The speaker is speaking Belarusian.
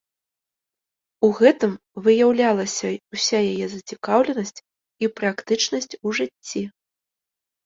У гэтым выяўлялася ўся яе зацікаўленасць і практычнасць у жыцці.